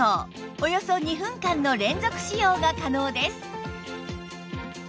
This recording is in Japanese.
およそ２分間の連続使用が可能です